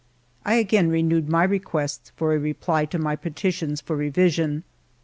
I again renewed my requests for a reply to my petitions for revision.